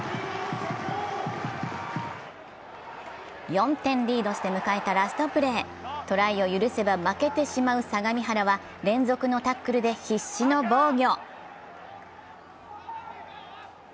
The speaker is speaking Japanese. ４点リードして迎えたラストプレートライを許せば負けてしまう相模原は、連続のタックルで必死の防御。